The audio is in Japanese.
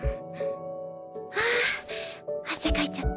あ汗かいちゃった。